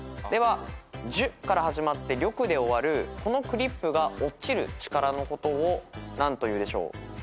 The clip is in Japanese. では「じゅ」から始まって「りょく」で終わるこのクリップが落ちる力のことを何というでしょう？